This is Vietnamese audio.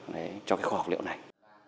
đấy cho cái kho học liệu này